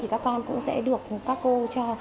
các con cũng sẽ được các cô cho